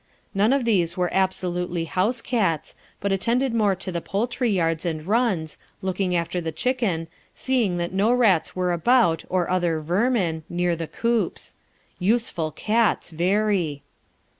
None of these were absolutely house cats, but attended more to the poultry yards and runs, looking after the chicken, seeing that no rats were about or other "vermin," near the coops. Useful cats, very!